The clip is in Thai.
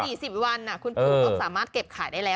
๔๐วันคุณปู่ก็สามารถเก็บขายได้แล้ว